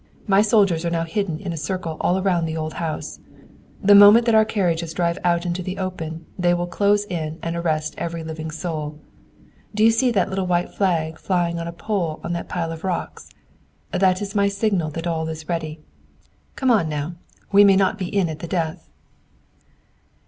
My soldiers are now hidden in a circle all around the old house. The moment that our carriage drives out into the open, they will close in and arrest every living soul. Do you see that little white flag flying on a pole on that pile of rocks? That is my signal that all is ready. Come on, now. We may not be in at the death."